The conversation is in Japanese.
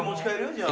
じゃあ。